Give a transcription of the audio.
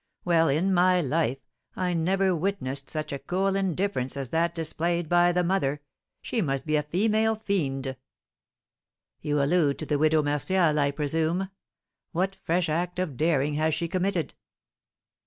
Well, in my life, I never witnessed such a cool indifference as that displayed by the mother; she must be a female fiend!" "You allude to the Widow Martial, I presume; what fresh act of daring has she committed?"